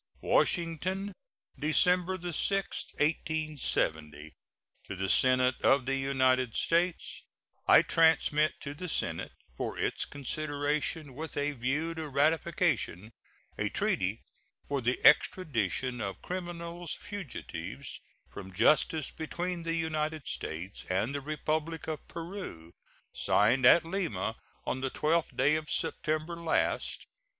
WASHINGTON, December 6, 1870. To the Senate of the United States: I transmit to the Senate, for its consideration with a view to ratification, a treaty for the extradition of criminals fugitives from justice between the United States and the Republic of Peru, signed at Lima on the 12th day of September last.